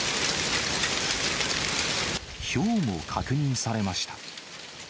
ひょうも確認されました。